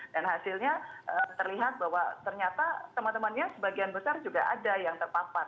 dan hasilnya terlihat bahwa ternyata teman temannya sebagian besar juga ada yang terpapar